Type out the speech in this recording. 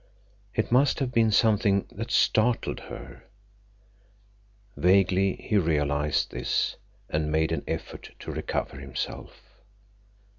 It must have been something that startled her. Vaguely he realized this and made an effort to recover himself.